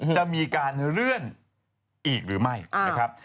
จะมีการเลื่อนอีกหรือไม่นะครับ